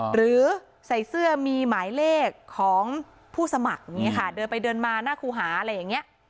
หรือใส่เสื้อมีหมายเลขของผู้สมัครอย่างนี้ค่ะเดินไปเดินมาหน้าครูหาอะไรอย่างนี้